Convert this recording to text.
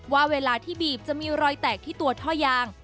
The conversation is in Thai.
ว่าเวลาที่บีบจะมีรอยแตกที่ตัวท่อยาง